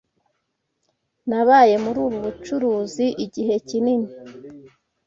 Nabaye muri ubu bucuruzi igihe kinini.